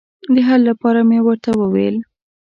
د حل لپاره مې ورته وویل.